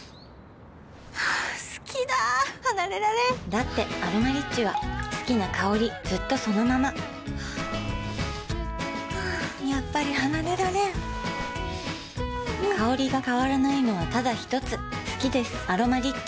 好きだ離れられんだって「アロマリッチ」は好きな香りずっとそのままやっぱり離れられん香りが変わらないのはただひとつ好きです「アロマリッチ」